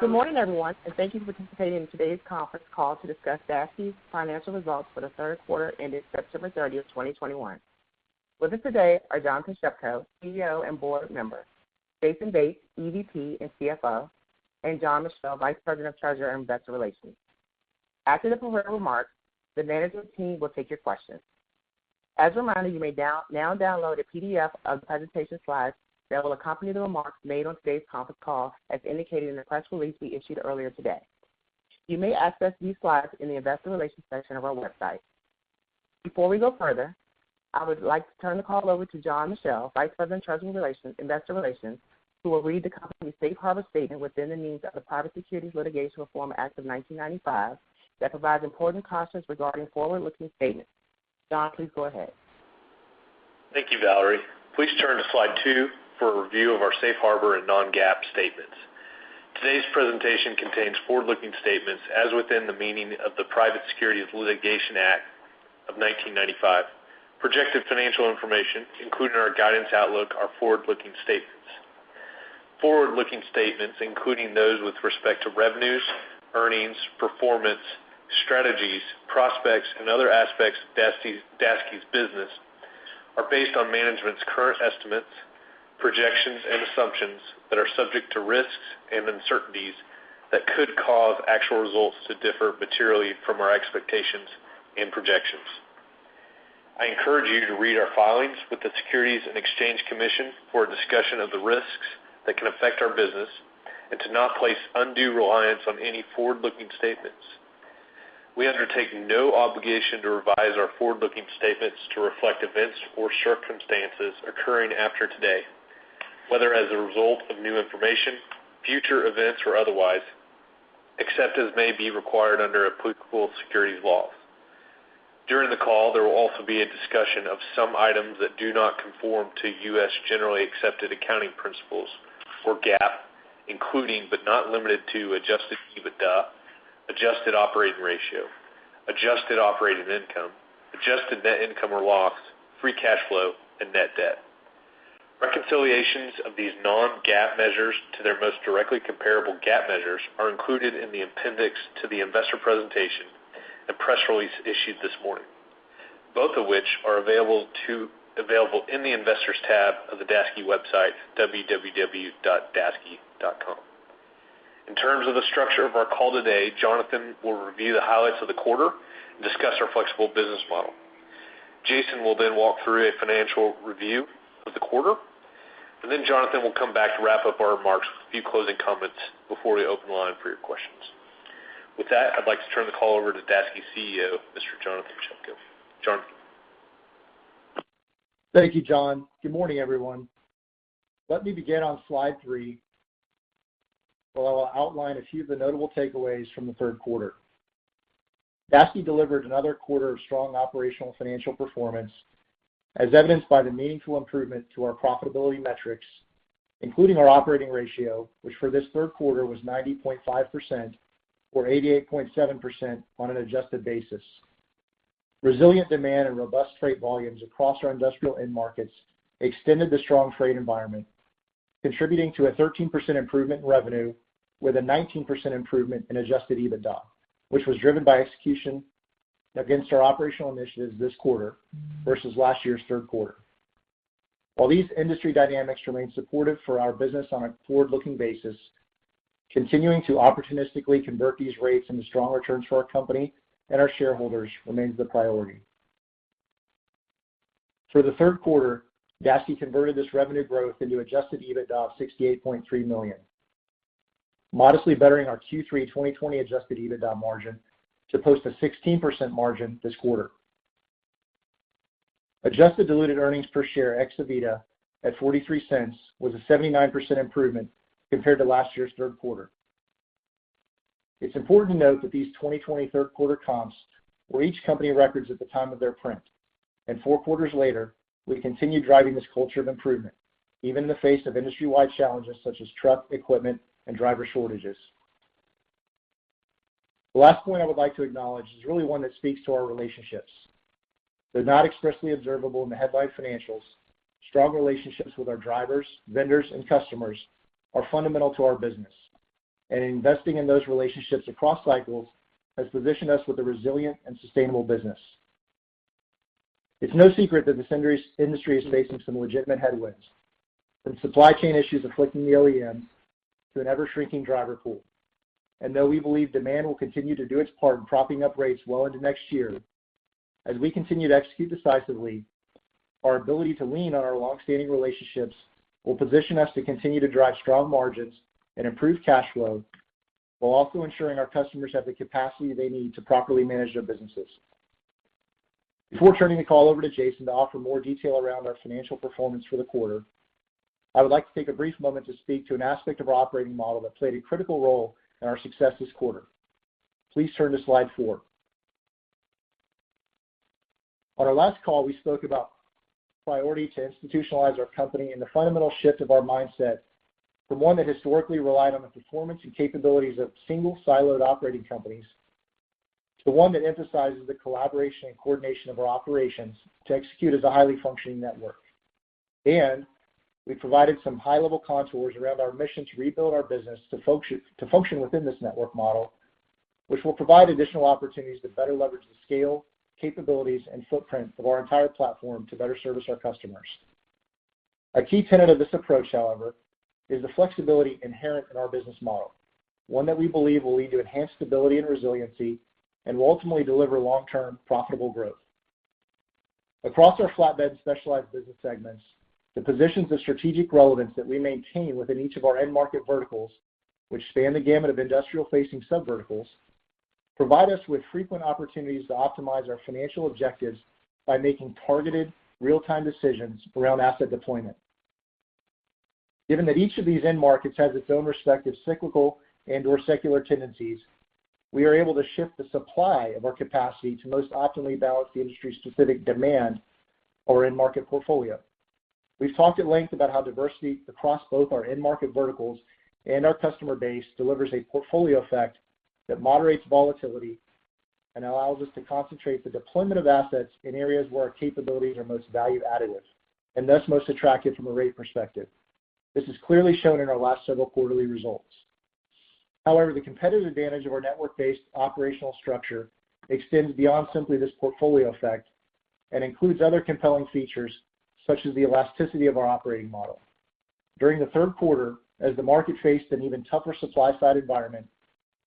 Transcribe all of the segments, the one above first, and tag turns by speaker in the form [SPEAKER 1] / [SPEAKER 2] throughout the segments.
[SPEAKER 1] Good morning, everyone, and thank you for participating in today's conference call to discuss Daseke's financial results for the third quarter ended September 30th, 2021. With us today are Jonathan Shepko, CEO and board member, Jason Bates, EVP and CFO, and John Michell, Vice President of Treasurer and Investor Relations. After the prepared remarks, the management team will take your questions. As a reminder, you may now download a PDF of the presentation slides that will accompany the remarks made on today's conference call, as indicated in the press release we issued earlier today. You may access these slides in the Investor Relations section of our website. Before we go further, I would like to turn the call over to John Michell, Vice President, Treasurer and Investor Relations, who will read the company's safe harbor statement within the means of the Private Securities Litigation Reform Act of 1995 that provides important cautions regarding forward-looking statements. John, please go ahead.
[SPEAKER 2] Thank you, Valerie. Please turn to slide two for a review of our safe harbor and non-GAAP statements. Today's presentation contains forward-looking statements as within the meaning of the Private Securities Litigation Reform Act of 1995. Projected financial information, including our guidance outlook, are forward-looking statements. Forward-looking statements, including those with respect to revenues, earnings, performance, strategies, prospects, and other aspects of Daseke's business, are based on management's current estimates, projections, and assumptions that are subject to risks and uncertainties that could cause actual results to differ materially from our expectations and projections. I encourage you to read our filings with the Securities and Exchange Commission for a discussion of the risks that can affect our business and to not place undue reliance on any forward-looking statements. We undertake no obligation to revise our forward-looking statements to reflect events or circumstances occurring after today, whether as a result of new information, future events, or otherwise, except as may be required under applicable securities laws. During the call, there will also be a discussion of some items that do not conform to U.S. generally accepted accounting principles for GAAP, including but adjusted EBITDA, adjusted operating ratio, adjusted operating income, adjusted net income or loss, free cash flow, and net debt. Reconciliations of these non-GAAP measures to their most directly comparable GAAP measures are included in the appendix to the investor presentation and press release issued this morning, both of which are available in the investors tab of the Daseke website, www.daseke.com. In terms of the structure of our call today, Jonathan will review the highlights of the quarter and discuss our flexible business model. Jason will then walk through a financial review of the quarter, and then Jonathan will come back to wrap up our remarks with a few closing comments before we open the line for your questions. With that, I'd like to turn the call over to Daseke CEO, Mr. Jonathan Shepko. Jonathan?
[SPEAKER 3] Thank you, John. Good morning, everyone. Let me begin on slide three, where I will outline a few of the notable takeaways from the third quarter. Daseke delivered another quarter of strong operational financial performance, as evidenced by the meaningful improvement to our profitability metrics, including our operating ratio, which for this third quarter was 90.5% or 88.7% on an adjusted basis. Resilient demand and robust freight volumes across our industrial end markets extended the strong freight environment, contributing to a 13% improvement in revenue with a 19% Adjusted EBITDA, which was driven by execution against our operational initiatives this quarter versus last year's third quarter. While these industry dynamics remain supportive for our business on a forward-looking basis, continuing to opportunistically convert these rates into strong returns for our company and our shareholders remains the priority. For the third quarter, Daseke converted this revenue growth into adjusted EBITDA of $68.3 million, modestly bettering our Adjusted EBITDA margin to post a 16% margin this quarter. Adjusted Diluted Earnings Per Share ex-Aveda at $0.43 was a 79% improvement compared to last year's third quarter. It's important to note that these 2020 third quarter comps were each company records at the time of their print, and four quarters later, we continue driving this culture of improvement, even in the face of industry-wide challenges such as truck, equipment, and driver shortages. The last point I would like to acknowledge is really one that speaks to our relationships. Though not expressly observable in the headline financials, strong relationships with our drivers, vendors, and customers are fundamental to our business, and investing in those relationships across cycles has positioned us with a resilient and sustainable business. It's no secret that this industry is facing some legitimate headwinds from supply chain issues afflicting the OEM to an ever-shrinking driver pool. Though we believe demand will continue to do its part in propping up rates well into next year, as we continue to execute decisively, our ability to lean on our longstanding relationships will position us to continue to drive strong margins and improve cash flow while also ensuring our customers have the capacity they need to properly manage their businesses. Before turning the call over to Jason to offer more detail around our financial performance for the quarter, I would like to take a brief moment to speak to an aspect of our operating model that played a critical role in our success this quarter. Please turn to slide four. On our last call, we spoke about the priority to institutionalize our company and the fundamental shift of our mindset from one that historically relied on the performance and capabilities of single siloed operating companies to one that emphasizes the collaboration and coordination of our operations to execute as a highly functioning network. We provided some high-level contours around our mission to rebuild our business to function within this network model, which will provide additional opportunities to better leverage the scale, capabilities, and footprint of our entire platform to better service our customers. A key tenet of this approach, however, is the flexibility inherent in our business model. One that we believe will lead to enhanced stability and resiliency and will ultimately deliver long-term profitable growth. Across our flatbed specialized business segments, the positions of strategic relevance that we maintain within each of our end market verticals, which span the gamut of industrial-facing subverticals, provide us with frequent opportunities to optimize our financial objectives by making targeted real-time decisions around asset deployment. Given that each of these end markets has its own respective cyclical and/or secular tendencies, we are able to shift the supply of our capacity to most optimally balance the industry's specific demand or end market portfolio. We've talked at length about how diversity across both our end market verticals and our customer base delivers a portfolio effect that moderates volatility and allows us to concentrate the deployment of assets in areas where our capabilities are most value additive, and thus most attractive from a rate perspective. This is clearly shown in our last several quarterly results. However, the competitive advantage of our network-based operational structure extends beyond simply this portfolio effect and includes other compelling features such as the elasticity of our operating model. During the third quarter, as the market faced an even tougher supply side environment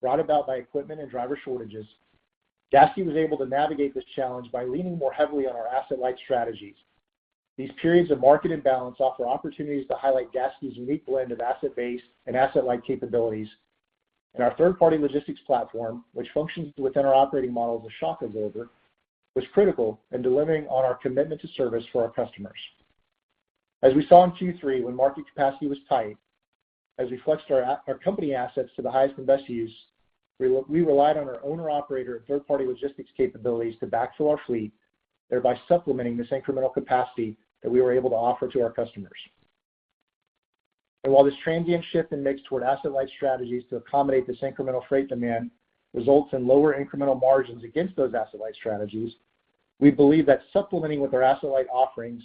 [SPEAKER 3] brought about by equipment and driver shortages, Daseke was able to navigate this challenge by leaning more heavily on our asset-light strategies. These periods of market imbalance offer opportunities to highlight Daseke's unique blend of asset base and asset-light capabilities, and our Third-Party Logistics platform, which functions within our operating model as a shock absorber, was critical in delivering on our commitment to service for our customers. As we saw in Q3 when market capacity was tight, as we flexed our company assets to the highest and best use, we relied on our owner-operator and Third-Party Logistics capabilities to backfill our fleet, thereby supplementing this incremental capacity that we were able to offer to our customers. While this transient shift in mix toward asset-light strategies to accommodate this incremental freight demand results in lower incremental margins against those asset-light strategies, we believe that supplementing with our asset-light offerings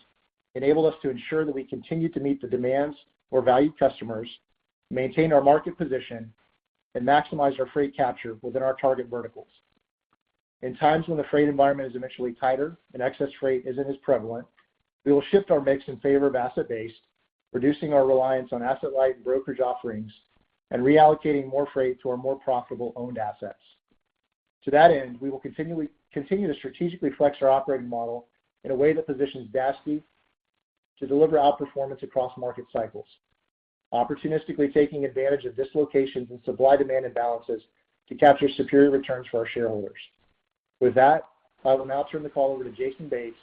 [SPEAKER 3] enabled us to ensure that we continue to meet the demands for valued customers, maintain our market position, and maximize our freight capture within our target verticals. In times when the freight environment is initially tighter and excess freight isn't as prevalent, we will shift our mix in favor of asset base, reducing our reliance on asset-light and brokerage offerings, and reallocating more freight to our more profitable owned assets. To that end, we will continue to strategically flex our operating model in a way that positions Daseke to deliver outperformance across market cycles. Opportunistically taking advantage of dislocations and supply-demand imbalances to capture superior returns for our shareholders. With that, I will now turn the call over to Jason Bates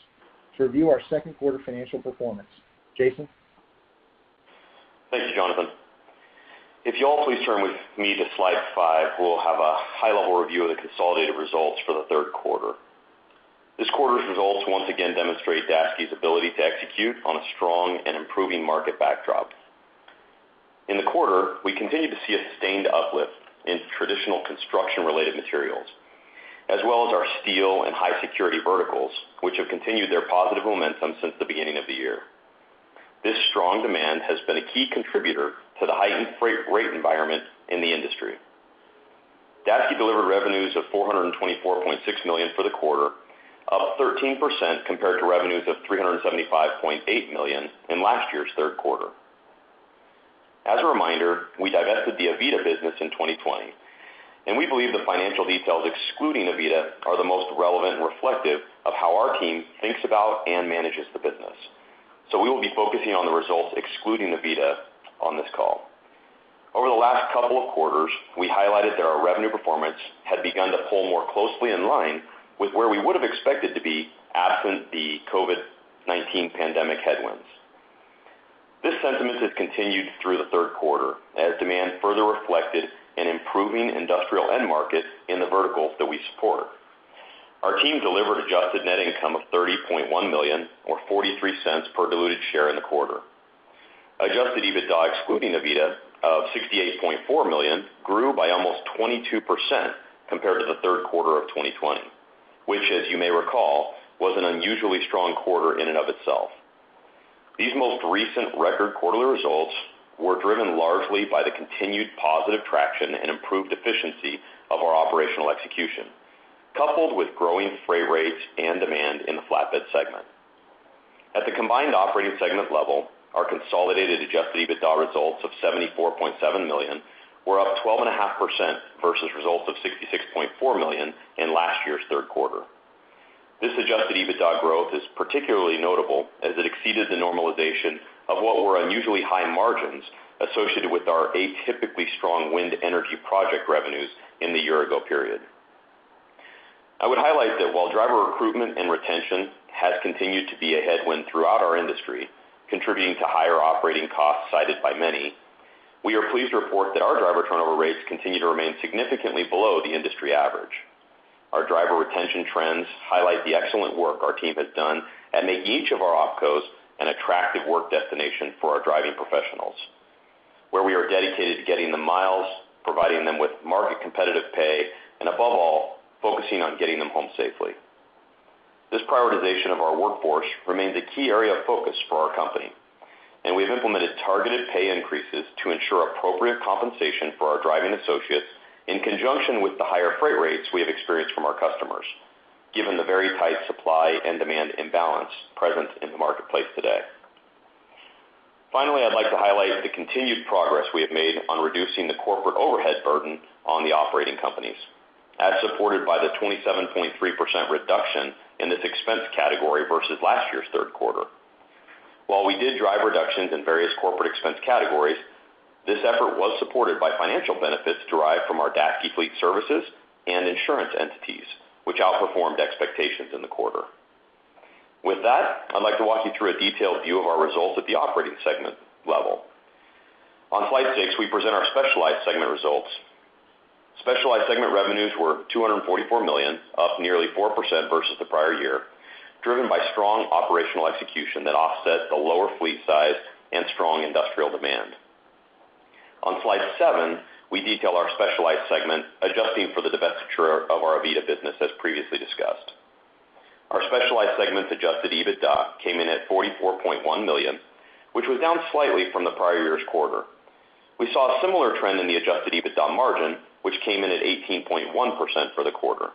[SPEAKER 3] to review our second quarter financial performance. Jason?
[SPEAKER 4] Thank you, Jonathan. If you all please turn with me to slide five, we'll have a high-level review of the consolidated results for the third quarter. This quarter's results once again demonstrate Daseke's ability to execute on a strong and improving market backdrop. In the quarter, we continued to see a sustained uplift in traditional construction-related materials, as well as our steel and high-security verticals, which have continued their positive momentum since the beginning of the year. This strong demand has been a key contributor to the heightened freight rate environment in the industry. Daseke delivered revenues of $424.6 million for the quarter, up 13% compared to revenues of $375.8 million in last year's third quarter. As a reminder, we divested the Aveda business in 2020, and we believe the financial details excluding Aveda are the most relevant and reflective of how our team thinks about and manages the business. We will be focusing on the results excluding Aveda on this call. Over the last couple of quarters, we highlighted that our revenue performance had begun to pull more closely in line with where we would have expected to be absent the COVID-19 pandemic headwinds. This sentiment has continued through the third quarter as demand further reflected an improving industrial end market in the verticals that we support. Our team delivered Adjusted Net Income of $30.1 million or $0.43 per diluted share in the quarter. Adjusted EBITDA excluding Aveda of $68.4 million grew by almost 22% compared to the third quarter of 2020, which, as you may recall, was an unusually strong quarter in and of itself. These most recent record quarterly results were driven largely by the continued positive traction and improved efficiency of our operational execution, coupled with growing freight rates and demand in the flatbed segment. At the combined operating segment level, Adjusted EBITDA results of $74.7 million were up 12.5% versus results of $66.4 million in last year's third Adjusted EBITDA growth is particularly notable as it exceeded the normalization of what were unusually high margins associated with our atypically strong wind energy project revenues in the year-ago period. I would highlight that while driver recruitment and retention has continued to be a headwind throughout our industry, contributing to higher operating costs cited by many, we are pleased to report that our driver turnover rates continue to remain significantly below the industry average. Our driver retention trends highlight the excellent work our team has done at making each of our OpCos an attractive work destination for our driving professionals. Where we are dedicated to getting the miles, providing them with market-competitive pay, and above all, focusing on getting them home safely. This prioritization of our workforce remains a key area of focus for our company, and we've implemented targeted pay increases to ensure appropriate compensation for our driving associates in conjunction with the higher freight rates we have experienced from our customers, given the very tight supply and demand imbalance present in the marketplace today. Finally, I'd like to highlight the continued progress we have made on reducing the corporate overhead burden on the operating companies, as supported by the 27.3% reduction in this expense category versus last year's third quarter. While we did drive reductions in various corporate expense categories, this effort was supported by financial benefits derived from our Daseke Fleet Services and insurance entities, which outperformed expectations in the quarter. With that, I'd like to walk you through a detailed view of our results at the operating segment level. On slide six, we present our Specialized segment results. Specialized segment revenues were $244 million, up nearly 4% versus the prior year, driven by strong operational execution that offset the lower fleet size and strong industrial demand. On slide seven, we detail our Specialized segment, adjusting for the divestiture of our Aveda business, as previously discussed. Our Adjusted EBITDA came in at $44.1 million, which was down slightly from the prior year's quarter. We saw a similar trend Adjusted EBITDA margin, which came in at 18.1% for the quarter.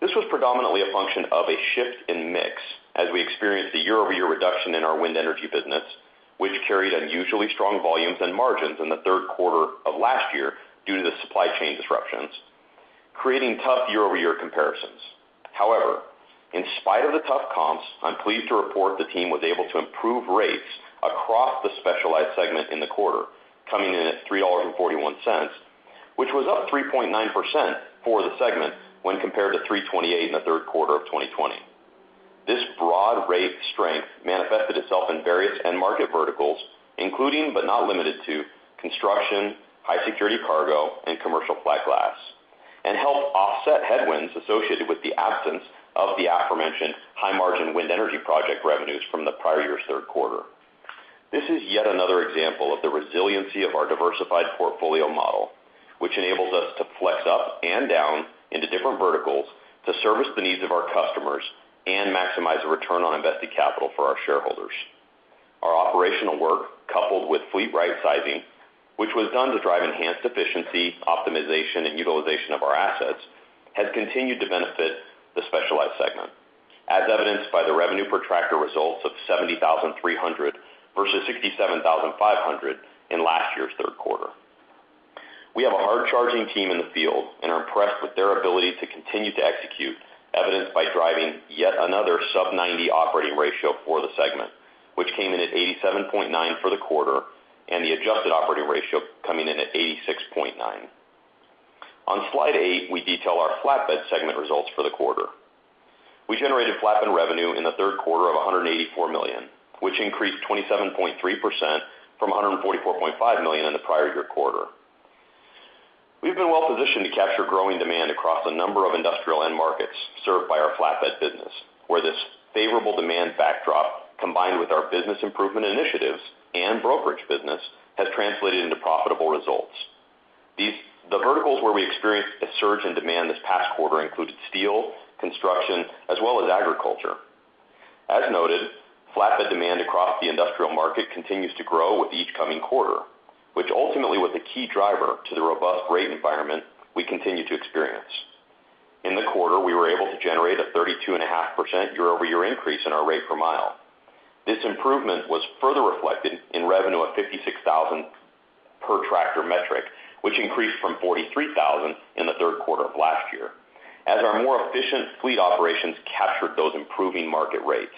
[SPEAKER 4] This was predominantly a function of a shift in mix as we experienced a year-over-year reduction in our wind energy business, which carried unusually strong volumes and margins in the third quarter of last year due to the supply chain disruptions, creating tough year-over-year comparisons. However, in spite of the tough comps, I'm pleased to report the team was able to improve rates across the specialized segment in the quarter, coming in at $3.41, which was up 3.9% for the segment when compared to $3.28 in the third quarter of 2020. This broad rate strength manifested itself in various end market verticals, including but not limited to construction, high-security cargo, and commercial flat glass, and helped offset headwinds associated with the absence of the aforementioned high-margin wind energy project revenues from the prior year's third quarter. This is yet another example of the resiliency of our diversified portfolio model, which enables us to flex up and down into different verticals to service the needs of our customers and maximize the return on invested capital for our shareholders. Our operational work, coupled with fleet right sizing, which was done to drive enhanced efficiency, optimization, and utilization of our assets, has continued to benefit the specialized segment, as evidenced by the revenue per tractor results of $70,300 versus $67,500 in last year's third quarter. We have a hard-charging team in the field and are impressed with their ability to continue to execute, evidenced by driving yet another sub 90 operating ratio for the segment, which came in at 87.9 for the quarter, and adjusted operating ratio coming in at 86.9. On slide eight, we detail our flatbed segment results for the quarter. We generated flatbed revenue in the third quarter of $184 million, which increased 27.3% from $144.5 million in the prior year quarter. We've been well-positioned to capture growing demand across a number of industrial end markets served by our flatbed business, where this favorable demand backdrop, combined with our business improvement initiatives and brokerage business, has translated into profitable results. The verticals where we experienced a surge in demand this past quarter included steel, construction, as well as agriculture. As noted, flatbed demand across the industrial market continues to grow with each coming quarter, which ultimately was the key driver to the robust rate environment we continue to experience. In the quarter, we were able to generate a 32.5% year-over-year increase in our rate per mile. This improvement was further reflected in revenue of $56,000 per tractor metric, which increased from $43,000 in the third quarter of last year, as our more efficient fleet operations captured those improving market rates.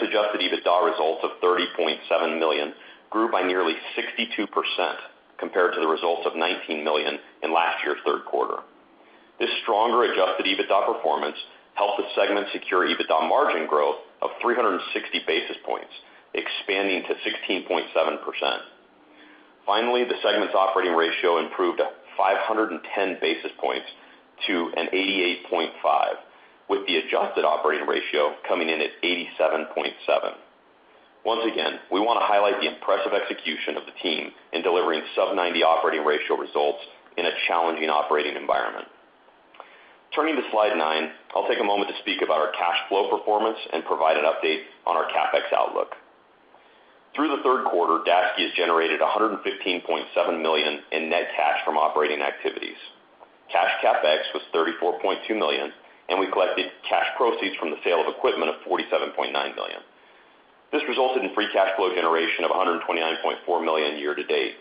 [SPEAKER 4] Adjusted EBITDA results of $30.7 million grew by nearly 62% compared to the results of $19 million in last year's third quarter. Adjusted EBITDA performance helped the segment secure EBITDA margin growth of 360 basis points, expanding to 16.7%. Finally, the segment's operating ratio improved 510 basis points to an 88.5, with adjusted operating ratio coming in at 87.7. Once again, we want to highlight the impressive execution of the team in delivering sub 90 operating ratio results in a challenging operating environment. Turning to slide nine, I'll take a moment to speak about our free cash flow performance and provide an update on our CapEx outlook. Through the third quarter, Daseke has generated $115.7 million in net cash from operating activities. Cash CapEx was $34.2 million, and we collected cash proceeds from the sale of equipment of $47.9 million. This resulted in free cash flow generation of $129.4 million year to date.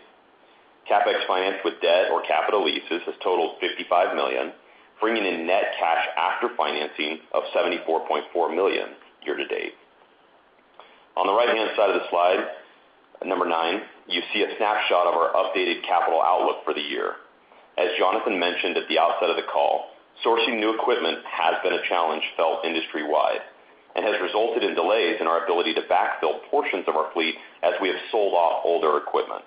[SPEAKER 4] CapEx financed with debt or capital leases has totaled $55 million, bringing in net cash after financing of $74.4 million year-to-date. On the right-hand side of the slide, number nine, you see a snapshot of our updated capital outlook for the year. As Jonathan mentioned at the outset of the call, sourcing new equipment has been a challenge felt industry-wide and has resulted in delays in our ability to backfill portions of our fleet as we have sold off older equipment.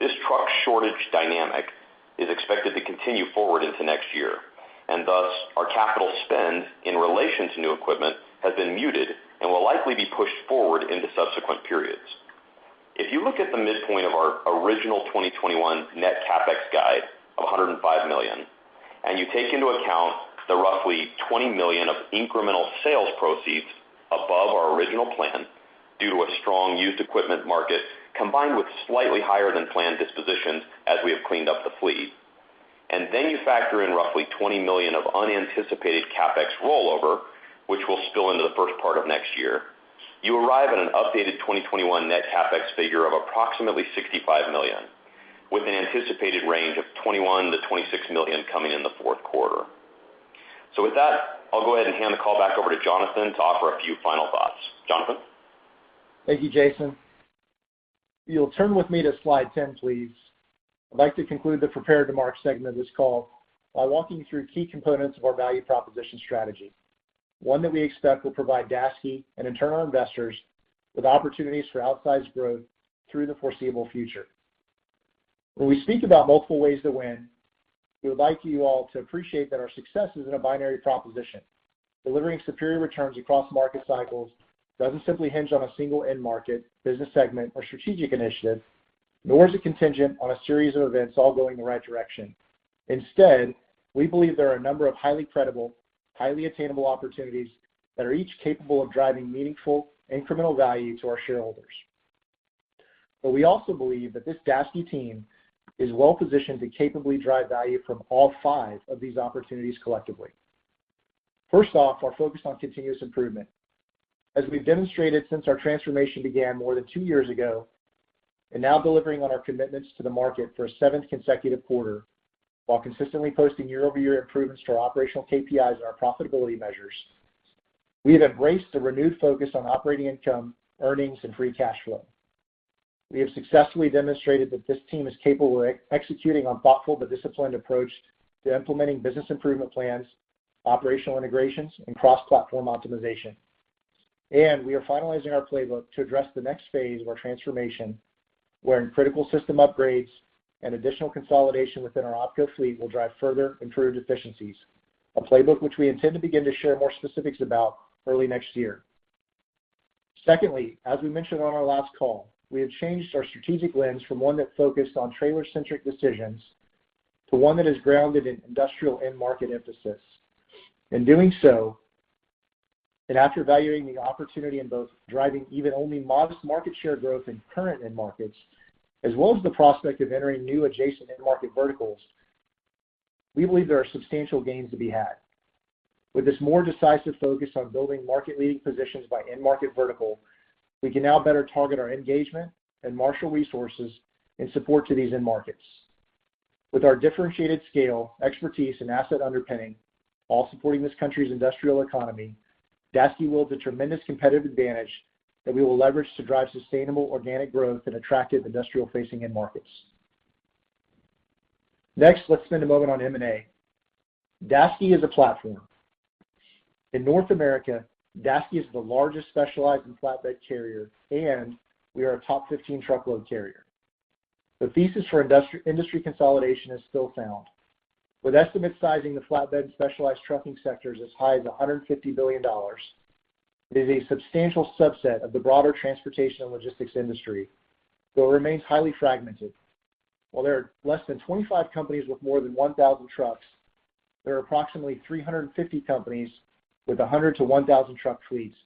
[SPEAKER 4] This truck shortage dynamic is expected to continue forward into next year, and thus our capital spend in relation to new equipment has been muted and will likely be pushed forward into subsequent periods. If you look at the midpoint of our original 2021 net CapEx guide of $105 million, and you take into account the roughly $20 million of incremental sales proceeds above our original plan due to a strong used equipment market, combined with slightly higher than planned dispositions as we have cleaned up the fleet, and then you factor in roughly $20 million of unanticipated CapEx rollover, which will spill into the first part of next year, you arrive at an updated 2021 net CapEx figure of approximately $65 million, with an anticipated range of $21 million-$26 million coming in the fourth quarter. With that, I'll go ahead and hand the call back over to Jonathan to offer a few final thoughts. Jonathan?
[SPEAKER 3] Thank you, Jason. If you'll turn with me to Slide 10, please. I'd like to conclude the prepared remarks segment of this call by walking you through key components of our value proposition strategy, one that we expect will provide Daseke and internal investors with opportunities for outsized growth through the foreseeable future. When we speak about multiple ways to win, we would like you all to appreciate that our success isn't a binary proposition. Delivering superior returns across market cycles doesn't simply hinge on a single end market, business segment, or strategic initiative, nor is it contingent on a series of events all going in the right direction. Instead, we believe there are a number of highly credible, highly attainable opportunities that are each capable of driving meaningful incremental value to our shareholders. We also believe that this Daseke team is well-positioned to capably drive value from all five of these opportunities collectively. First off, our focus on continuous improvement. As we've demonstrated since our transformation began more than two years ago, and now delivering on our commitments to the market for a seventh consecutive quarter while consistently posting year-over-year improvements to our operational KPIs and our profitability measures, we have embraced a renewed focus on Operating Income, earnings, and free cash flow. We have successfully demonstrated that this team is capable of executing a thoughtful but disciplined approach to implementing business improvement plans, operational integrations, and cross-platform optimization. We are finalizing our playbook to address the next phase of our transformation, wherein critical system upgrades and additional consolidation within our OpCo fleet will drive further improved efficiencies, a playbook which we intend to begin to share more specifics about early next year. Secondly, as we mentioned on our last call, we have changed our strategic lens from one that focused on trailer-centric decisions to one that is grounded in industrial end-market emphasis. In doing so, and after valuing the opportunity in both driving even only modest market share growth in current end markets, as well as the prospect of entering new adjacent end-market verticals, we believe there are substantial gains to be had. With this more decisive focus on building market-leading positions by end-market vertical, we can now better target our engagement and marshal resources in support to these end markets. With our differentiated scale, expertise, and asset underpinning, all supporting this country's industrial economy, Daseke wields a tremendous competitive advantage that we will leverage to drive sustainable organic growth in attractive industrial-facing end markets. Next, let's spend a moment on M&A. Daseke is a platform. In North America, Daseke is the largest specialized and flatbed carrier, and we are a top 15 truckload carrier. The thesis for industry consolidation is still sound. With estimate sizing the flatbed and specialized trucking sectors as high as $150 billion, it is a substantial subset of the broader transportation and logistics industry, though it remains highly fragmented. While there are less than 25 companies with more than 1,000 trucks, there are approximately 350 companies with 100-1,000 truck fleets,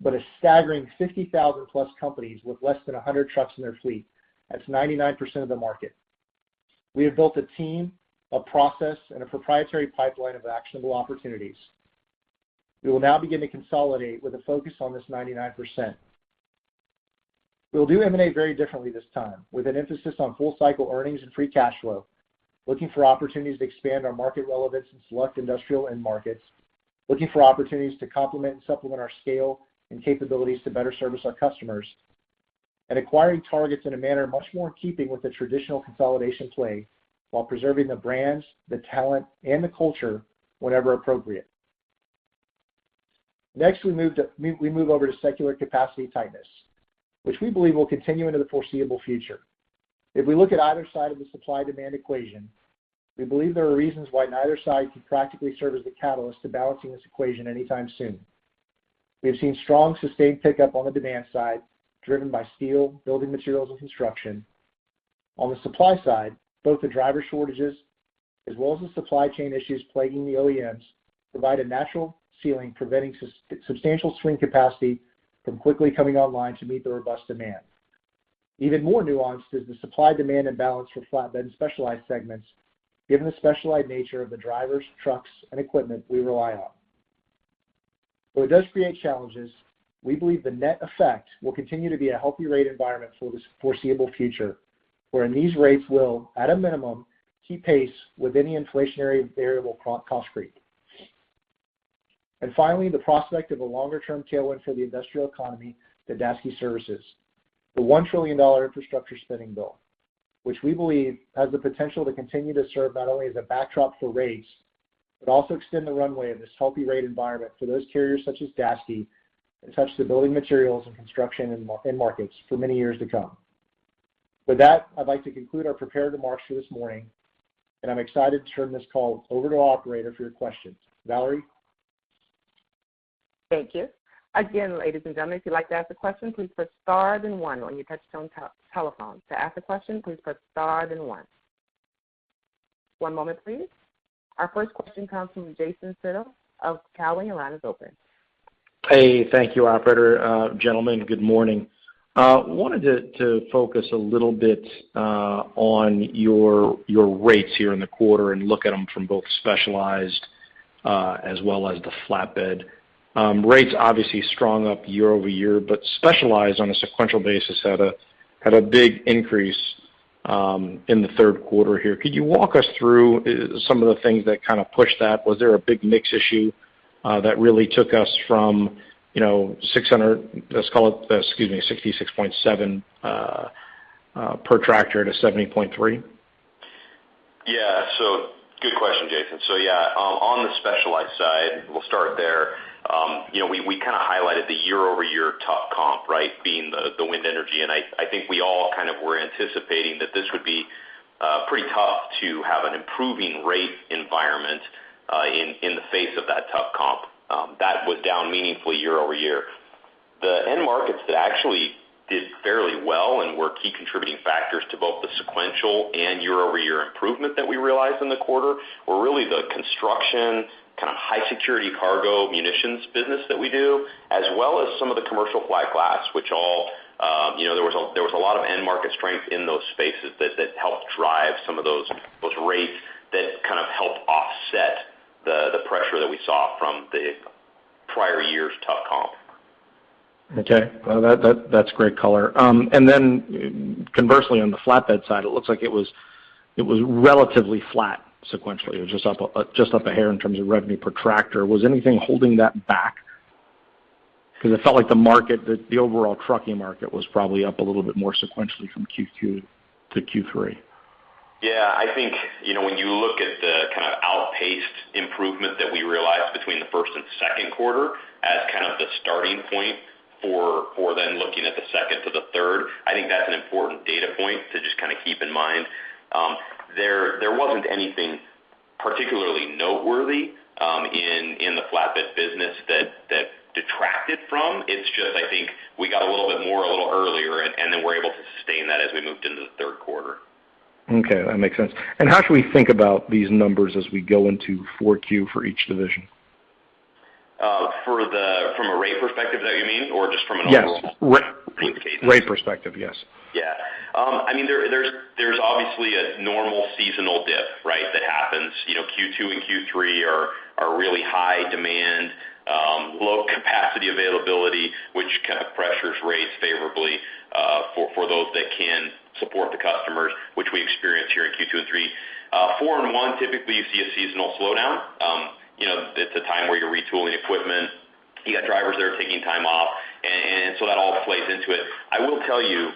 [SPEAKER 3] but a staggering 50,000+ companies with less than 100 trucks in their fleet. That's 99% of the market. We have built a team, a process, and a proprietary pipeline of actionable opportunities. We will now begin to consolidate with a focus on this 99%. We will do M&A very differently this time, with an emphasis on full-cycle earnings and free cash flow, looking for opportunities to expand our market relevance in select industrial end markets, looking for opportunities to complement and supplement our scale and capabilities to better service our customers, and acquiring targets in a manner much more in keeping with the traditional consolidation play while preserving the brands, the talent, and the culture whenever appropriate. Next, we move over to secular capacity tightness, which we believe will continue into the foreseeable future. If we look at either side of the supply-demand equation, we believe there are reasons why neither side can practically serve as the catalyst to balancing this equation anytime soon. We have seen strong, sustained pickup on the demand side, driven by steel, building materials, and construction. On the supply side, both the driver shortages as well as the supply chain issues plaguing the OEMs provide a natural ceiling, preventing substantial swing capacity from quickly coming online to meet the robust demand. Even more nuanced is the supply-demand imbalance for flatbed and specialized segments, given the specialized nature of the drivers, trucks, and equipment we rely on. Though it does create challenges, we believe the net effect will continue to be a healthy rate environment for the foreseeable future, wherein these rates will, at a minimum, keep pace with any inflationary variable cost creep. Finally, the prospect of a longer-term tailwind for the industrial economy that Daseke services. The $1 trillion infrastructure spending bill, which we believe has the potential to continue to serve not only as a backdrop for rates, but also extend the runway of this healthy rate environment for those carriers such as Daseke that touch the building materials and construction end markets for many years to come. With that, I'd like to conclude our prepared remarks for this morning, and I'm excited to turn this call over to our operator for your questions. Valerie?
[SPEAKER 1] Thank you. Again, ladies and gentlemen, if you'd like to ask a question, please press star then one on your touchtone telephone. To ask a question, please press star then one. One moment, please. Our first question comes from Jason Seidl of Cowen. Your line is open.
[SPEAKER 5] Hey, thank you, operator. Gentlemen, good morning. Wanted to focus a little bit on your rates here in the quarter and look at them from both specialized, as well as the flatbed. Rates obviously strong up year-over-year, specialized on a sequential basis had a big increase in the third quarter here. Could you walk us through some of the things that kind of pushed that? Was there a big mix issue that really took us from $600, let's call it, excuse me, $66.7 per tractor to $70.3?
[SPEAKER 4] Yeah. Good question, Jason. Yeah, on the specialized side, we'll start there. We kind of highlighted the year-over-year tough comp, right? Being the wind energy. I think we all kind of were anticipating that this would be pretty tough to have an improving rate environment in the face of that tough comp. That was down meaningfully year-over-year. The end markets that actually did fairly well and were key contributing factors to both the sequential and year-over-year improvement that we realized in the quarter were really the construction, kind of high-security cargo munitions business that we do, as well as some of the commercial flat glass, there was a lot of end market strength in those spaces that helped drive some of those rates that kind of helped offset the pressure that we saw from the prior year's tough comp.
[SPEAKER 5] Okay. No, that's great color. Conversely, on the flatbed side, it looks like it was relatively flat sequentially. It was just up a hair in terms of revenue per tractor. Was anything holding that back? It felt like the overall trucking market was probably up a little bit more sequentially from Q2 to Q3.
[SPEAKER 4] Yeah, I think, when you look at the kind of outpaced improvement that we realized between the first and second quarter as kind of the starting point for then looking at the second to the third, I think that's an important data point to just kind of keep in mind. There wasn't anything particularly noteworthy in the flatbed business that detracted from. It's just, I think we got a little bit more a little earlier, and then were able to sustain that as we moved into the third quarter.
[SPEAKER 5] Okay, that makes sense. How should we think about these numbers as we go into 4Q for each division?
[SPEAKER 4] From a rate perspective you mean, or just from an overall?
[SPEAKER 5] Yes. Rate perspective, yes.
[SPEAKER 4] Yeah. There's obviously a normal seasonal dip, right? That happens. Q2 and Q3 are really high demand, low capacity availability, which kind of pressures rates favorably, for those that can support the customers, which we experience here in Q2 and Q3. Q4 and Q1, typically, you see a seasonal slowdown. It's a time where you're retooling equipment. You got drivers there taking time off, and so that all plays into it. I will tell you,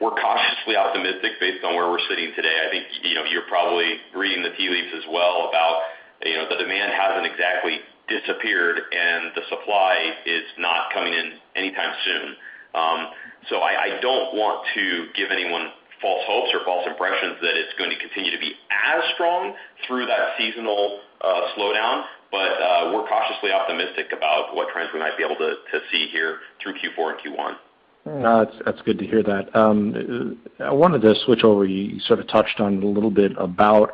[SPEAKER 4] we're cautiously optimistic based on where we're sitting today. I think you're probably reading the tea leaves as well about the demand hasn't exactly disappeared, and the supply is not coming in anytime soon. I don't want to give anyone false hopes or false impressions that it's going to continue to be as strong through that seasonal slowdown, but we're cautiously optimistic about what trends we might be able to see here through Q4 and Q1.
[SPEAKER 5] No, that's good to hear that. I wanted to switch over. You sort of touched on it a little bit about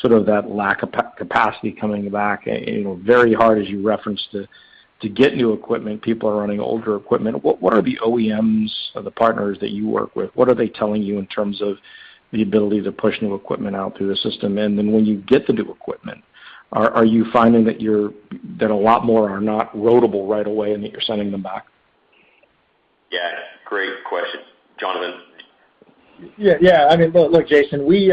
[SPEAKER 5] sort of that lack of capacity coming back very hard as you referenced to get new equipment. People are running older equipment. What are the OEMs or the partners that you work with, what are they telling you in terms of the ability to push new equipment out through the system? When you get the new equipment, are you finding that a lot more are not loadable right away and that you're sending them back?
[SPEAKER 4] Yeah. Great question. Jonathan?
[SPEAKER 3] Look, Jason, we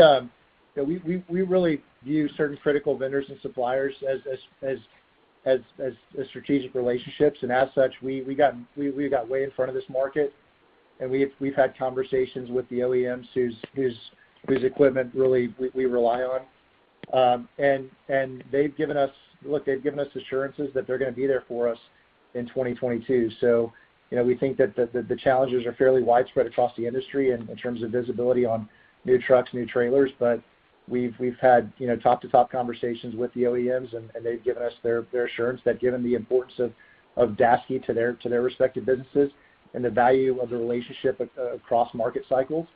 [SPEAKER 3] really view certain critical vendors and suppliers as strategic relationships. As such, we got way in front of this market. We've had conversations with the OEMs whose equipment really we rely on. They've given us assurances that they're going to be there for us in 2022. We think that the challenges are fairly widespread across the industry in terms of visibility on new trucks, new trailers. We've had top to top conversations with the OEMs. They've given us their assurance that given the importance of Daseke to their respective businesses and the value of the relationship across market cycles,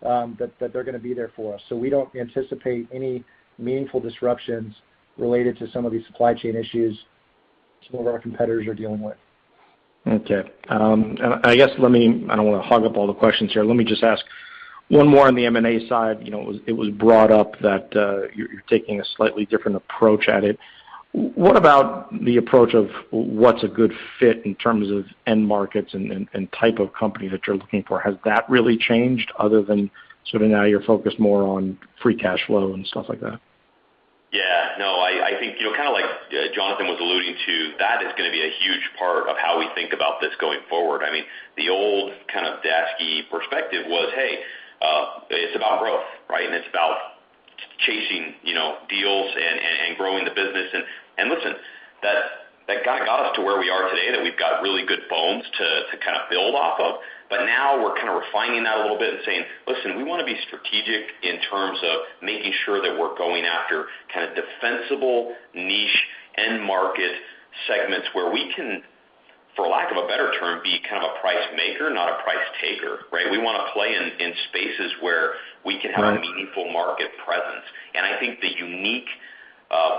[SPEAKER 3] that they're going to be there for us. We don't anticipate any meaningful disruptions related to some of these supply chain issues some of our competitors are dealing with.
[SPEAKER 5] Okay. I don't want to hog up all the questions here. Let me just ask one more on the M&A side. It was brought up that you're taking a slightly different approach at it. What about the approach of what's a good fit in terms of end markets and type of company that you're looking for? Has that really changed other than sort of now you're focused more on free cash flow and stuff like that?
[SPEAKER 4] Yeah. Kind of like Jonathan was alluding to, that is going to be a huge part of how we think about this going forward. The old kind of Daseke perspective was, hey, it's about growth, right? It's about chasing deals and growing the business. Listen, that got us to where we are today, that we've got really good bones to build off of. Now we're kind of refining that a little bit and saying, "Listen, we want to be strategic in terms of making sure that we're going after kind of defensible niche end market segments where we can, for lack of a better term, be kind of a price maker, not a price taker," right? We wanna play in spaces where we can have a meaningful market presence. I think the unique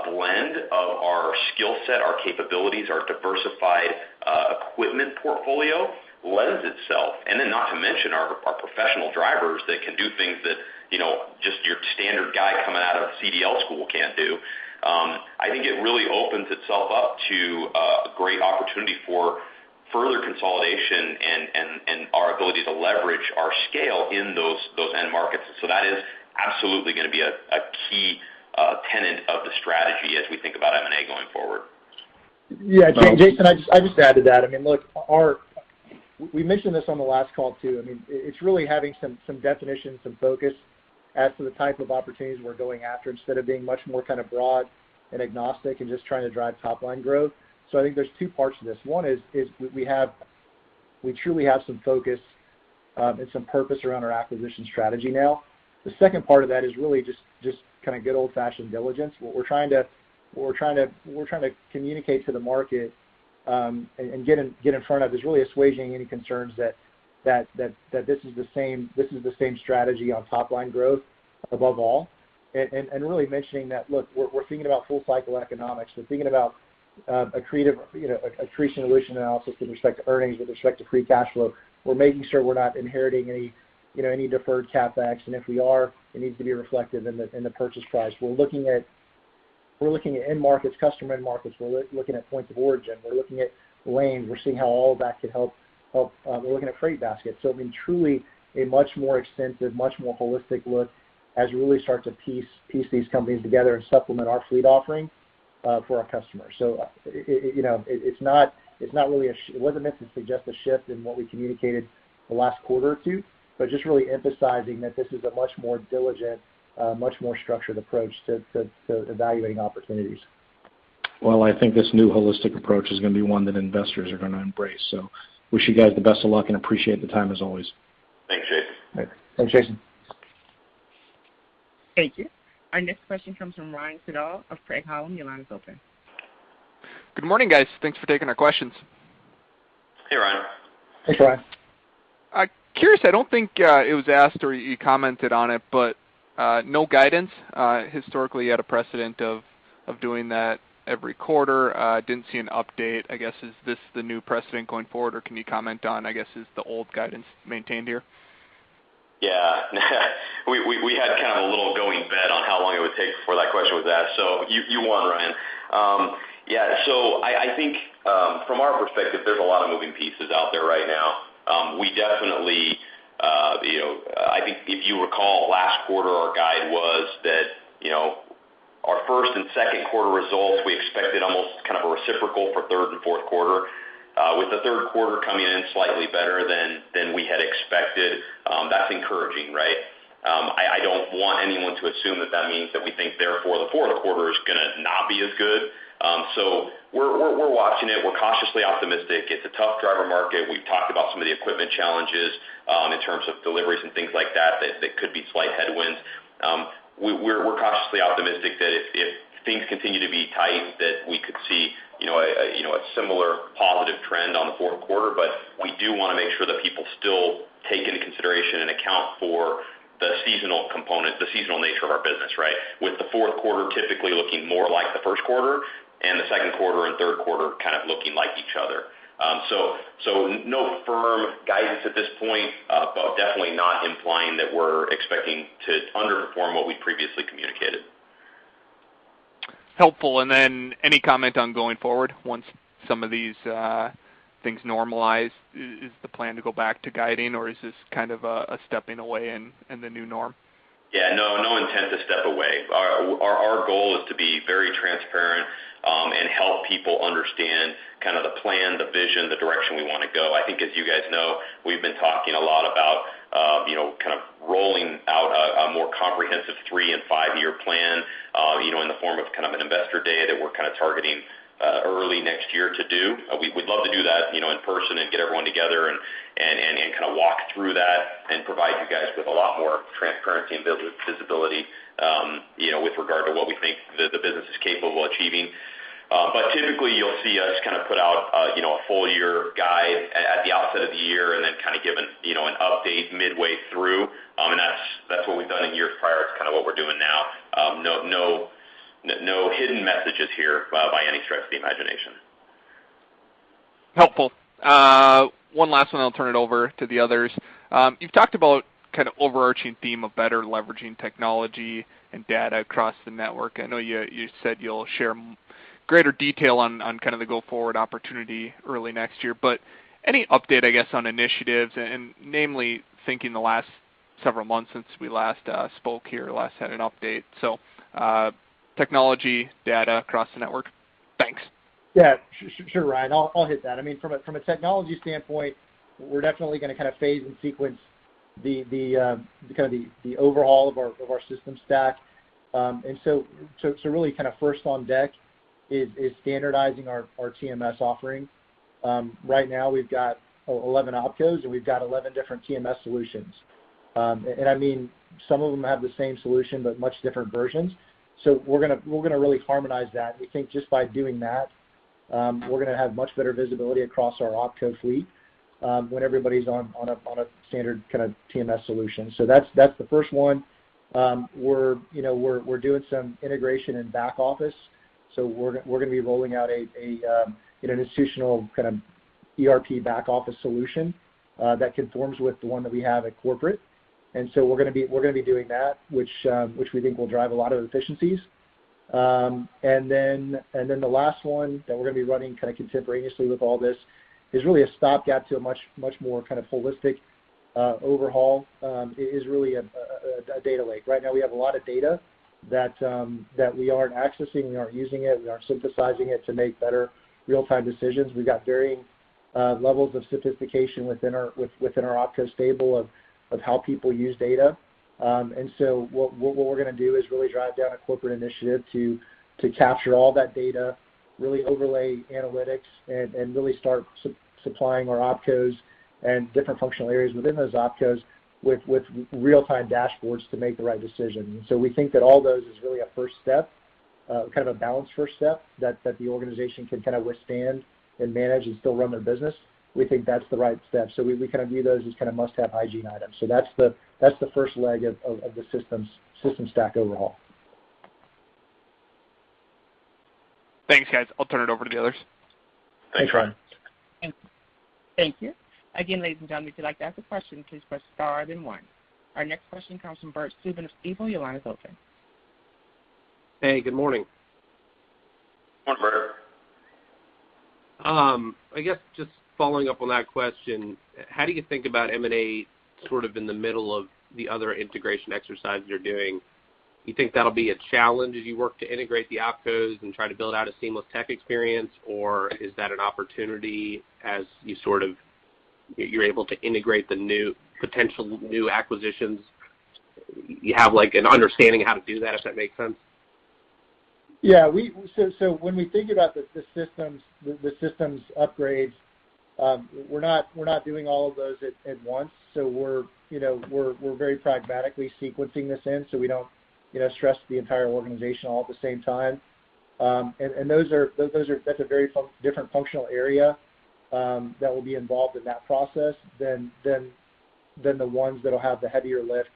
[SPEAKER 4] blend of our skill set, our capabilities, our diversified equipment portfolio lends itself. Not to mention our professional drivers that can do things that just your standard guy coming out of CDL school can't do. I think it really opens itself up to a great opportunity for further consolidation and our ability to leverage our scale in those end markets. That is absolutely going to be a key tenet of the strategy as we think about M&A going forward.
[SPEAKER 3] Yeah. Jason, I'll just add to that. Look, we mentioned this on the last call, too. It's really having some definition, some focus as to the type of opportunities we're going after instead of being much more kind of broad and agnostic and just trying to drive top-line growth. I think there's two parts to this. One is we truly have some focus and some purpose around our acquisition strategy now. The second part of that is really just kind of good old-fashioned diligence. What we're trying to communicate to the market, and get in front of, is really assuaging any concerns that this is the same strategy on top-line growth above all. Really mentioning that, look, we're thinking about full cycle economics. We're thinking about accretion or dilution analysis with respect to earnings, with respect to free cash flow. We're making sure we're not inheriting any deferred CapEx, and if we are, it needs to be reflected in the purchase price. We're looking at end markets, customer end markets. We're looking at points of origin. We're looking at lanes. We're seeing how all of that could help. We're looking at freight baskets. Truly a much more extensive, much more holistic look as we really start to piece these companies together and supplement our fleet offering for our customers. It wasn't meant to suggest a shift in what we communicated the last quarter or two, but just really emphasizing that this is a much more diligent, much more structured approach to evaluating opportunities.
[SPEAKER 5] Well, I think this new holistic approach is going to be one that investors are going to embrace. Wish you guys the best of luck and appreciate the time, as always.
[SPEAKER 4] Thanks, Jason.
[SPEAKER 5] Thanks, Jason.
[SPEAKER 1] Thank you. Our next question comes from Ryan Sigdahl of Craig-Hallum. Your line is open.
[SPEAKER 6] Good morning, guys. Thanks for taking our questions.
[SPEAKER 4] Hey, Ryan.
[SPEAKER 3] Thanks, Ryan.
[SPEAKER 6] Curious, I don't think it was asked, or you commented on it, but no guidance. Historically, you had a precedent of doing that every quarter. Didn't see an update. I guess, is this the new precedent going forward, or can you comment on, I guess, is the old guidance maintained here?
[SPEAKER 4] We had kind of a little going bet on how long it would take before that question was asked. You won, Ryan. I think from our perspective, there's a lot of moving pieces out there right now. I think if you recall last quarter, our guide was that our first and second quarter results, we expected almost kind of a reciprocal for third and fourth quarter, with the third quarter coming in slightly better than we had expected. That's encouraging, right? I don't want anyone to assume that that means that we think therefore the fourth quarter is going to not be as good. We're watching it. We're cautiously optimistic. It's a tough driver market. We've talked about some of the equipment challenges in terms of deliveries and things like that could be slight headwinds. We're cautiously optimistic that if things continue to be tight, that we could see a similar positive trend on the fourth quarter. We do want to make sure that people still take into consideration and account for the seasonal component, the seasonal nature of our business, right? With the fourth quarter typically looking more like the first quarter and the second quarter and third quarter kind of looking like each other. No firm guidance at this point, but definitely not implying that we're expecting to underperform what we previously communicated.
[SPEAKER 6] Helpful. Then any comment on going forward once some of these things normalize? Is the plan to go back to guiding, or is this kind of a stepping away and the new norm?
[SPEAKER 4] Yeah, no intent to step away. Our goal is to be very transparent and help people understand kind of the plan, the vision, the direction we want to go. I think as you guys know, we've been talking a lot about kind of rolling out a more comprehensive 3 and 5-year plan in the form of an investor day that we're kind of targeting early next year to do. We'd love to do that in person and get everyone together and kind of walk through that and provide you guys with a lot more transparency and visibility with regard to what we think the business is capable of achieving. Typically, you'll see us kind of put out a full-year guide at the outset of the year and then kind of give an update midway through. That's what we've done in years prior. It's kind of what we're doing now. No hidden messages here by any stretch of the imagination.
[SPEAKER 6] Helpful. One last one, then I'll turn it over to the others. You've talked about kind of overarching theme of better leveraging technology and data across the network. I know you said you'll share greater detail on kind of the go-forward opportunity early next year, but any update, I guess, on initiatives and namely thinking the last several months since we last spoke here, last had an update. Technology data across the network. Thanks.
[SPEAKER 3] Sure, Ryan. I'll hit that. From a technology standpoint, we're definitely going to phase and sequence the overall of our system stack. Really first on deck is standardizing our TMS offering. Right now we've got 11 OpCos, and we've got 11 different TMS solutions. Some of them have the same solution, but much different versions. We're going to really harmonize that. We think just by doing that, we're going to have much better visibility across our OpCo fleet, when everybody's on a standard TMS solution. That's the first one. We're doing some integration in back office, so we're going to be rolling out an institutional kind of ERP back office solution that conforms with the one that we have at corporate. We're going to be doing that, which we think will drive a lot of efficiencies. The last one that we're going to be running kind of contemporaneously with all this, is really a stopgap to a much more holistic overhaul, is really a data lake. Right now we have a lot of data that we aren't accessing, we aren't using it, we aren't synthesizing it to make better real-time decisions. We've got varying levels of sophistication within our OpCo stable of how people use data. What we're going to do is really drive down a corporate initiative to capture all that data, really overlay analytics and really start supplying our OpCos and different functional areas within those OpCos with real-time dashboards to make the right decision. We think that all those is really a first step, kind of a balanced first step that the organization can withstand and manage and still run their business. We think that's the right step. We view those as kind of must-have hygiene items. That's the first leg of the systems stack overhaul.
[SPEAKER 6] Thanks, guys. I'll turn it over to the others.
[SPEAKER 3] Thanks, Ryan.
[SPEAKER 1] Thank you. Again, ladies and gentlemen, if you'd like to ask a question, please press star then one. Our next question comes from Bert Subin of Stifel. Your line is open.
[SPEAKER 7] Hey, good morning.
[SPEAKER 3] Good morning, Bert.
[SPEAKER 7] I guess just following up on that question, how do you think about M&A sort of in the middle of the other integration exercises you're doing? You think that'll be a challenge as you work to integrate the OpCos and try to build out a seamless tech experience? Is that an opportunity as you're able to integrate the potential new acquisitions, you have an understanding of how to do that, if that makes sense?
[SPEAKER 3] Yeah. When we think about the systems upgrades, we're not doing all of those at once. We're very pragmatically sequencing this in, so we don't stress the entire organization all at the same time. That's a very different functional area that will be involved in that process than the ones that'll have the heavier lift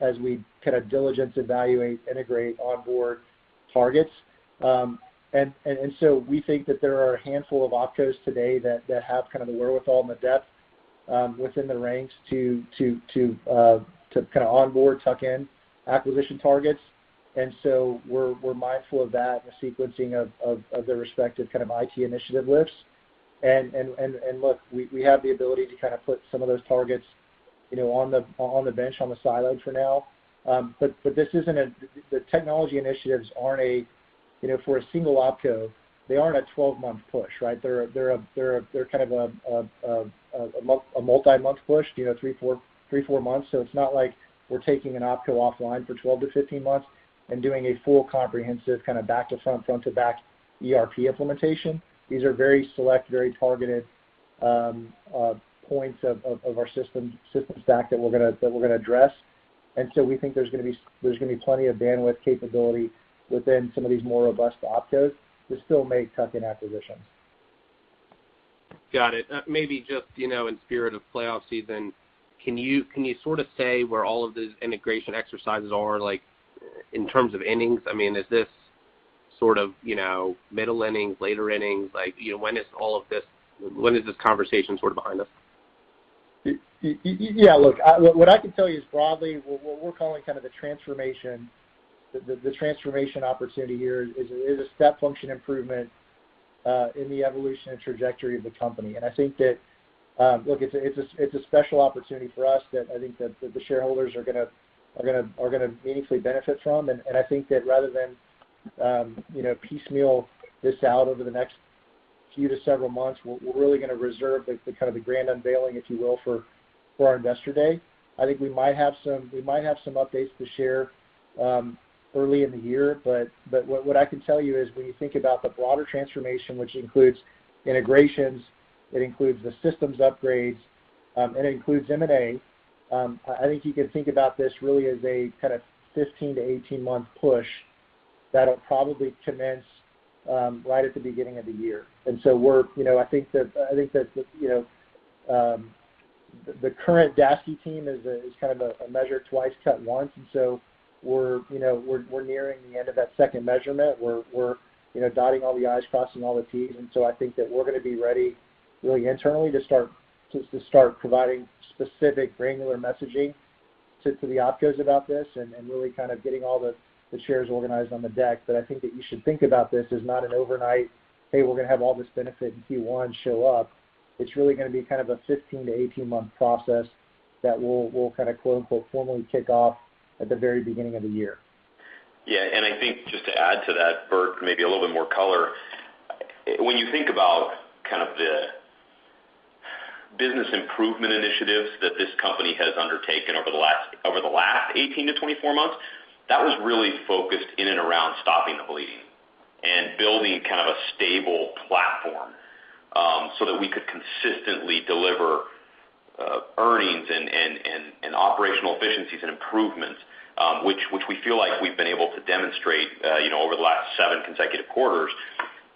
[SPEAKER 3] as we kind of diligence, evaluate, integrate, onboard targets. We think that there are a handful of OpCos today that have kind of the wherewithal and the depth within the ranks to onboard, tuck in acquisition targets. We're mindful of that in the sequencing of their respective IT initiative lifts. Look, we have the ability to put some of those targets on the bench, on the silo for now. The technology initiatives aren't a, for a single OpCo, they aren't a 12-month push, right? They're kind of a multi-month push, three, four months. It's not like we're taking an OpCo offline for 12-15 months and doing a full comprehensive kind of back-to-front, front-to-back ERP implementation. These are very select, very targeted points of our systems stack that we're going to address. We think there's going to be plenty of bandwidth capability within some of these more robust OpCos to still make tuck-in acquisitions.
[SPEAKER 7] Got it. Maybe just in spirit of playoff season, can you sort of say where all of the integration exercises are, like in terms of innings? Is this sort of middle innings, later innings? When is this conversation sort of behind us?
[SPEAKER 3] Yeah, look, what I can tell you is broadly, what we're calling kind of the transformation opportunity here is a step function improvement in the evolution and trajectory of the company. I think that, look, it's a special opportunity for us that I think that the shareholders are going to meaningfully benefit from. I think that rather than piecemeal this out over the next few to several months, we're really going to reserve the grand unveiling, if you will, for our investor day. I think we might have some updates to share early in the year, but what I can tell you is when you think about the broader transformation, which includes integrations, it includes the systems upgrades, and it includes M&A, I think you can think about this really as a kind of 15 to 18-month push that'll probably commence right at the beginning of the year. I think that the current Daseke team is kind of a measure twice, cut once. We're nearing the end of that second measurement. We're dotting all the I's, crossing all the T's. I think that we're going to be ready really internally to start providing specific granular messaging to the OpCos about this and really kind of getting all the shares organized on the deck. I think that you should think about this as not an overnight, hey, we're going to have all this benefit in Q1 show up. It's really going to be kind of a 15 to 18-month process that will kind of "formally" kick off at the very beginning of the year.
[SPEAKER 4] Yeah. I think just to add to that, Bert, maybe a little bit more color. When you think about kind of the business improvement initiatives that this company has undertaken over the last 18 to 24 months, that was really focused in and around stopping the bleeding and building kind of a stable platform, so that we could consistently deliver earnings and operational efficiencies and improvements, which we feel like we've been able to demonstrate over the last seven consecutive quarters.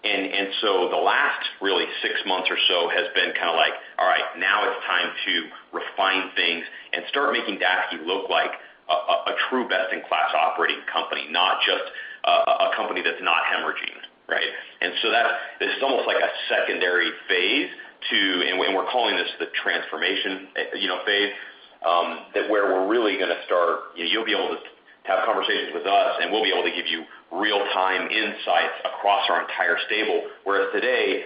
[SPEAKER 4] The last really six months or so has been kind of like, all right, now it's time to refine things and start making Daseke look like a true best-in-class operating company, not just a company that's not hemorrhaging. Right? That is almost like a secondary phase. We're calling this the transformation phase, where we're really going to start. You'll be able to have conversations with us, and we'll be able to give you real-time insights across our entire stable. Whereas today,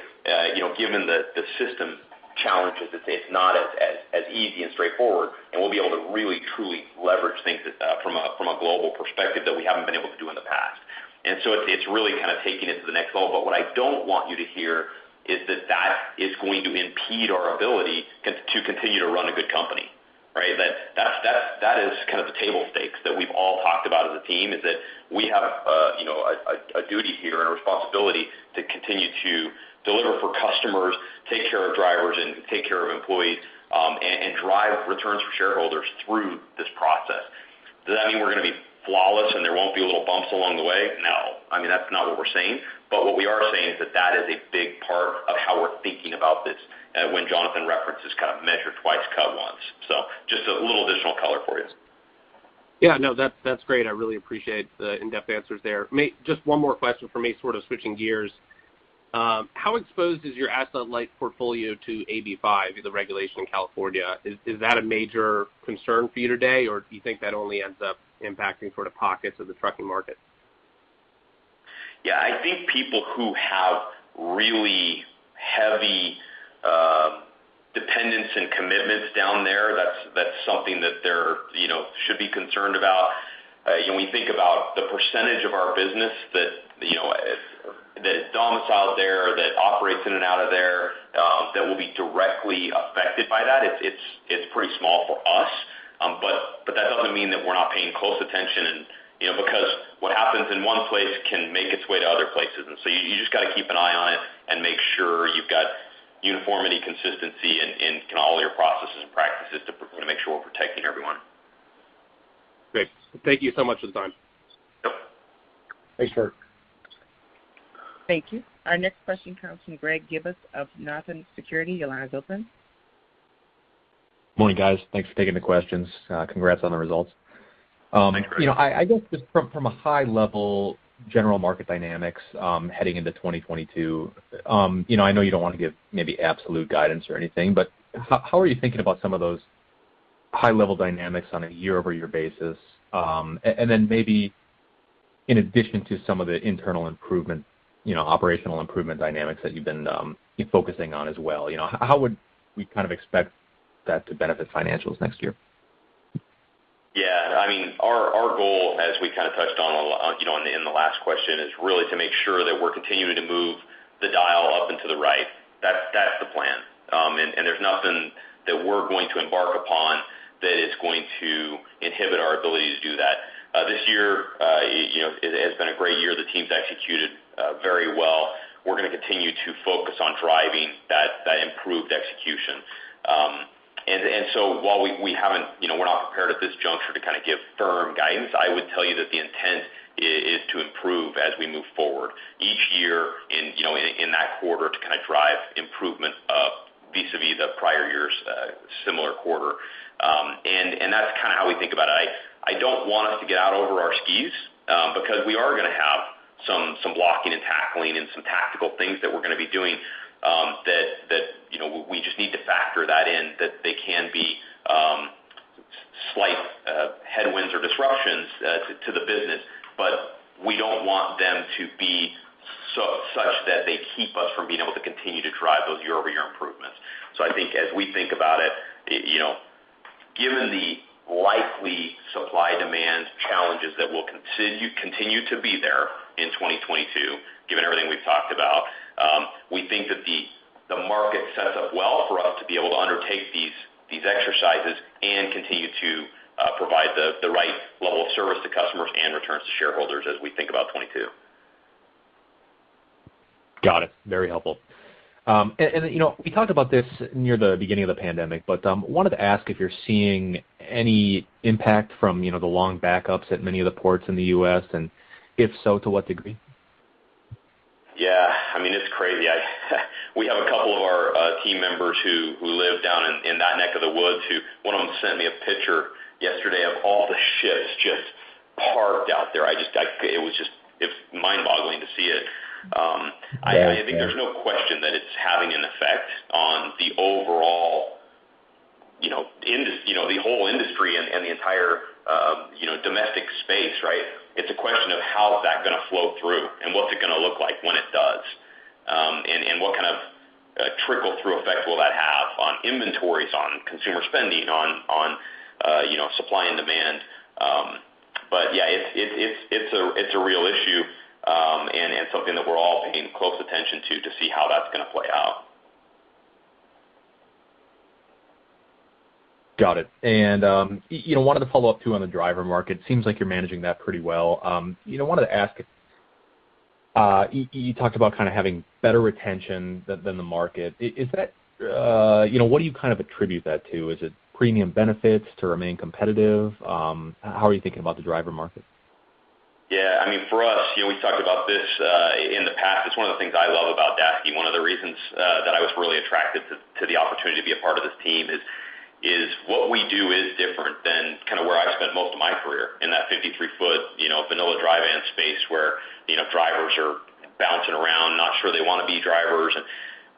[SPEAKER 4] given the system challenges, it's not as easy and straightforward, and we'll be able to really, truly leverage things from a global perspective that we haven't been able to do in the past. It's really kind of taking it to the next level. What I don't want you to hear is that that is going to impede our ability to continue to run a good company, right? That is kind of the table stakes that we've all talked about as a team, is that we have a duty here and a responsibility to continue to deliver for customers, take care of drivers and take care of employees, and drive returns for shareholders through this process. Does that mean we're going to be flawless and there won't be little bumps along the way? No. I mean, that's not what we're saying. What we are saying is that that is a big part of how we're thinking about this, when Jonathan references kind of measure twice, cut once. Just a little additional color for you.
[SPEAKER 7] Yeah, no, that's great. I really appreciate the in-depth answers there. Just one more question from me, sort of switching gears. How exposed is your asset light portfolio to AB 5, the regulation in California? Is that a major concern for you today, or do you think that only ends up impacting sort of pockets of the trucking market?
[SPEAKER 4] Yeah, I think people who have really heavy dependence and commitments down there, that's something that they should be concerned about. When we think about the percentage of our business that is domiciled there, that operates in and out of there, that will be directly affected by that, it's pretty small for us. That doesn't mean that we're not paying close attention because what happens in one place can make its way to other places. You just got to keep an eye on it and make sure you've got uniformity, consistency in all your processes and practices to make sure we're protecting everyone.
[SPEAKER 7] Great. Thank you so much for the time.
[SPEAKER 3] Thanks, Bert.
[SPEAKER 1] Thank you. Our next question comes from Greg Gibas of Northland Securities. Your line is open.
[SPEAKER 8] Morning, guys. Thanks for taking the questions. Congrats on the results.
[SPEAKER 4] Thanks, Greg.
[SPEAKER 8] I guess just from a high level, general market dynamics, heading into 2022, I know you don't want to give maybe absolute guidance or anything, how are you thinking about some of those high-level dynamics on a year-over-year basis? Maybe in addition to some of the internal operational improvement dynamics that you've been focusing on as well, how would we kind of expect that to benefit financials next year?
[SPEAKER 4] I mean, our goal, as we kind of touched on in the last question, is really to make sure that we're continuing to move the dial up and to the right. That's the plan. There's nothing that we're going to embark upon that is going to inhibit our ability to do that. This year, it has been a great year. The team's executed very well. We're going to continue to focus on driving that improved execution. While we're not prepared at this juncture to kind of give firm guidance, I would tell you that the intent is to improve as we move forward each year in that quarter to kind of drive improvement vis-a-vis the prior year's similar quarter. That's kind of how we think about it. I don't want us to get out over our skis, because we are going to have some blocking and tackling and some tactical things that we're going to be doing that we just need to factor that in, that they can be slight headwinds or disruptions to the business. But we don't want them to be such that they keep us from being able to continue to drive those year-over-year improvements. I think as we think about it, given the likely supply-demand challenges that will continue to be there in 2022, given everything we've talked about, we think that the market sets up well for us to be able to undertake these exercises and continue to provide the right level of service to customers and returns to shareholders as we think about 2022.
[SPEAKER 8] Got it. Very helpful. We talked about this near the beginning of the pandemic, but wanted to ask if you're seeing any impact from the long backups at many of the ports in the U.S., and if so, to what degree?
[SPEAKER 4] I mean, it's crazy. We have a couple of our team members who live down in that neck of the woods, who one of them sent me a picture yesterday of all the ships just parked out there. It was mind-boggling to see it. I think there's no question that it's having an effect the overall industry and the entire domestic space, right? It's a question of how is that going to flow through, and what's it going to look like when it does? What kind of trickle-through effect will that have on inventories, on consumer spending, on supply and demand? Yeah, it's a real issue, and something that we're all paying close attention to to see how that's going to play out.
[SPEAKER 8] Got it. I wanted to follow up, too, on the driver market. Seems like you're managing that pretty well. I wanted to ask, you talked about having better retention than the market. What do you attribute that to? Is it premium benefits to remain competitive? How are you thinking about the driver market?
[SPEAKER 4] Yeah. For us, we've talked about this in the past. It's one of the things I love about Daseke. One of the reasons that I was really attracted to the opportunity to be a part of this team is what we do is different than where I spent most of my career, in that 53 ft vanilla dry van space where drivers are bouncing around, not sure they want to be drivers.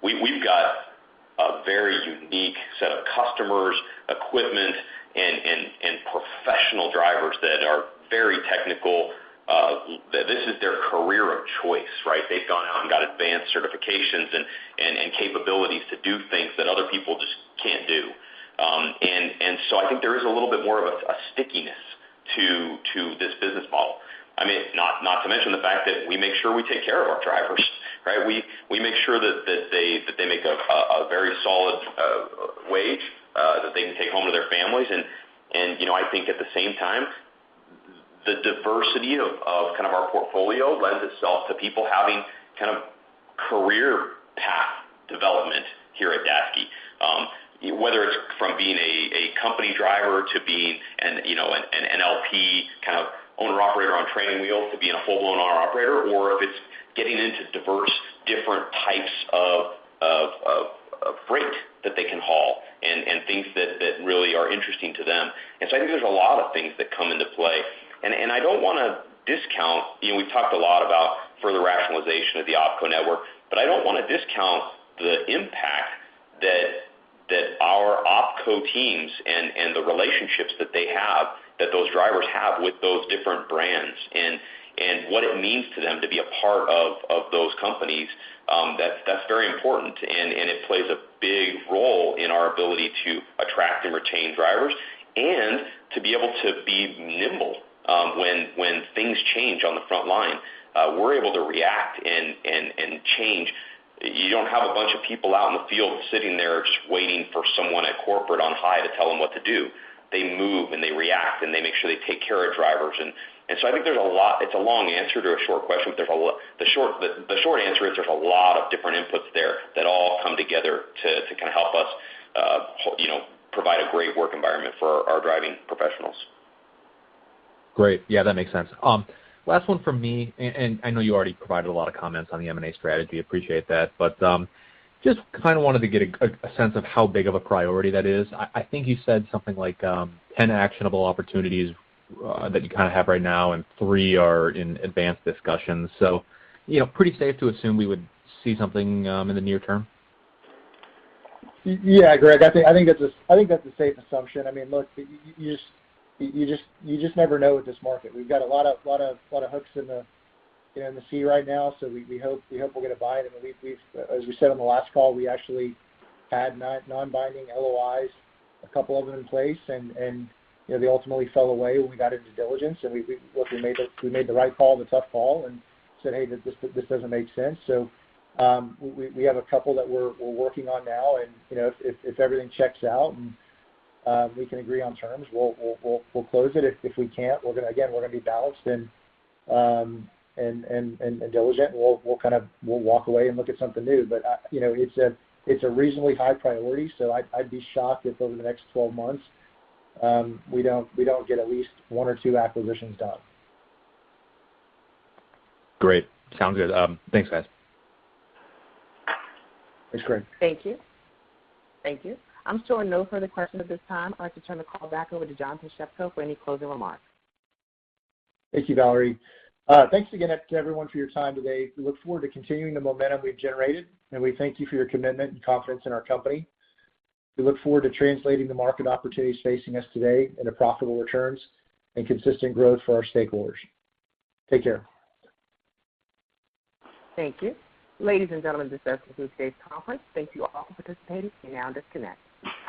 [SPEAKER 4] We've got a very unique set of customers, equipment, and professional drivers that are very technical. This is their career of choice, right? They've gone out and got advanced certifications and capabilities to do things that other people just can't do. I think there is a little bit more of a stickiness to this business model. Not to mention the fact that we make sure we take care of our drivers, right? We make sure that they make a very solid wage that they can take home to their families. I think at the same time, the diversity of our portfolio lends itself to people having career path development here at Daseke. Whether it's from being a company driver to being an LP owner-operator on training wheels to being a full-blown owner-operator, or if it's getting into diverse different types of freight that they can haul and things that really are interesting to them. I think there's a lot of things that come into play. We've talked a lot about further rationalization of the OpCo network, but I don't want to discount the impact that our OpCo teams and the relationships that they have, that those drivers have with those different brands, and what it means to them to be a part of those companies. That's very important, and it plays a big role in our ability to attract and retain drivers, and to be able to be nimble when things change on the front line. We're able to react and change. You don't have a bunch of people out in the field sitting there just waiting for someone at corporate on high to tell them what to do. They move, and they react, and they make sure they take care of drivers. I think it's a long answer to a short question. The short answer is there's a lot of different inputs there that all come together to help us provide a great work environment for our driving professionals.
[SPEAKER 8] Great. Yeah, that makes sense. Last one from me. I know you already provided a lot of comments on the M&A strategy. Appreciate that. Just wanted to get a sense of how big of a priority that is. I think you said something like 10 actionable opportunities that you have right now, and three are in advanced discussions. Pretty safe to assume we would see something in the near term?
[SPEAKER 3] Yeah, Greg, I think that's a safe assumption. Look, you just never know with this market. We've got a lot of hooks in the sea right now. We hope we'll get a bite. As we said on the last call, we actually had non-binding LOIs, a couple of them in place. They ultimately fell away when we got into diligence. Look, we made the right call, the tough call, and said, "Hey, this doesn't make sense." We have a couple that we're working on now. If everything checks out and we can agree on terms, we'll close it. If we can't, again, we're going to be balanced and diligent. We'll walk away and look at something new. It's a reasonably high priority. I'd be shocked if over the next 12 months, we don't get at least one or two acquisitions done.
[SPEAKER 8] Great. Sounds good. Thanks, guys.
[SPEAKER 3] Thanks, Greg.
[SPEAKER 1] Thank you. I'm showing no further questions at this time. I'd like to turn the call back over to Jonathan Shepko for any closing remarks.
[SPEAKER 3] Thank you, Valerie. Thanks again to everyone for your time today. We look forward to continuing the momentum we've generated, and we thank you for your commitment and confidence in our company. We look forward to translating the market opportunities facing us today into profitable returns and consistent growth for our stakeholders. Take care.
[SPEAKER 1] Thank you. Ladies and gentlemen, this does conclude today's conference. Thank you all for participating. You may now disconnect.